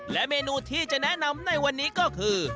และเมนูที่จะแนะนำในวันนี้ก็คือ